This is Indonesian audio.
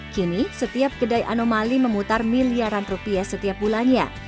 kini setiap kedai anomali memutar miliaran rupiah setiap bulannya